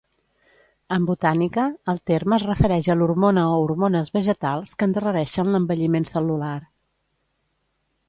En botànica el terme es refereix a l'hormona o hormones vegetals que endarrereixen l'envelliment cel·lular.